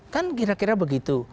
kan kira kira begitu